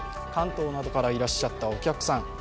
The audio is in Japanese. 関東などからいらっしゃったお客さん。